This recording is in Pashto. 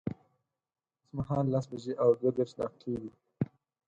اوس مهال لس بجي او دوه دیرش دقیقی دی